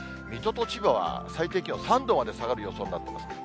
水戸と千葉は最低気温３度まで下がる予想になってます。